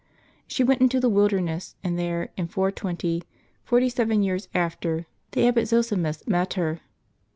She went into the wilderness, and there, in 420, forty seven years after, the Abbot Zosimus met her.